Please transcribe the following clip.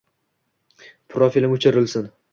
profilim o’chirilsin